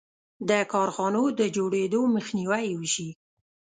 د کارخانو د جوړېدو مخنیوی یې وشي.